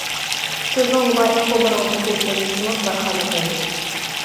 سىزنىڭ مۇبارەك قوللىرىڭىزغا كۆز تەگمىسۇن، بارخان ئەپەندى.